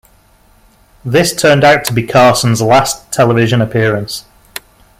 This turned out to be Carson's last television appearance.